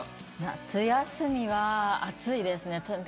夏休みは暑いですね。